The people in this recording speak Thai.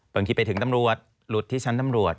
บางทีไปถึงตำรวจหลุดที่ชั้นตำรวจ